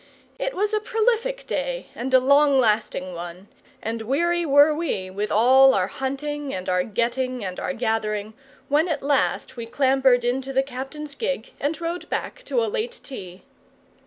It was a prolific day and a long lasting one, and weary were we with all our hunting and our getting and our gathering, when at last we clambered into the captain's gig and rowed back to a late tea.